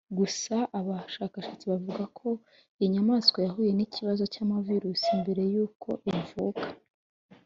Gusa aba bashakashatsi bavuga ko iyi nyamaswa yahuye n’ikibazo cy’amavirusi mbere y’uko ivuka